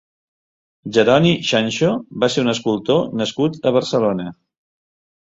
Jeroni Xanxo va ser un escultor nascut a Barcelona.